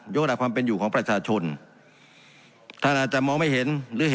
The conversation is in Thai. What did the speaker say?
ยกดับความเป็นอยู่ของประชาชนท่านอาจจะมองไม่เห็น